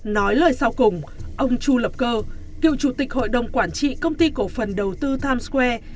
nói lời sau cùng ông chu lập cơ cựu chủ tịch hội đồng quản trị công ty cổ phần đầu tư tim square